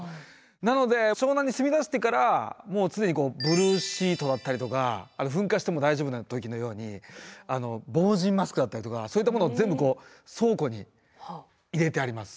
なので湘南に住みだしてからもう常にブルーシートだったりとか噴火しても大丈夫な時のように防塵マスクだったりとかそういったものを全部倉庫に入れてあります。